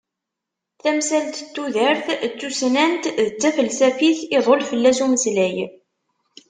Tamsalt n tudert, d tussnant, d tafelsafit, iḍul fell-as umeslay.